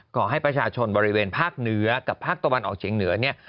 ขอให้ประชาชนบริเวณภาคเหนือกับภาคตะวันออกเฉียงเหนือเนี่ย